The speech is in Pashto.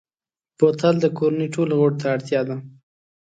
بوتل د کورنۍ ټولو غړو ته اړتیا ده.